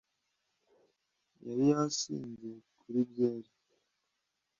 Yari yasinze kuri byeri